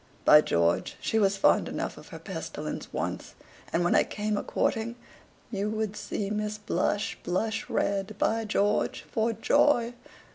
By George! she was fond enough of her pestilence once. And when I came a courting, you would see miss blush blush red, by George! for joy.